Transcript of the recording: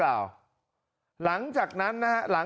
อำเภอโพธาราม